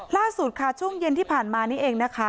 ล่าสุดค่ะช่วงเย็นที่ผ่านมานี่เองนะคะ